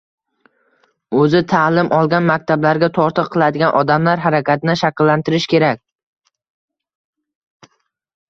o‘zi ta’lim olgan maktablarga tortiq qiladigan odamlar harakatini shakllantirish kerak.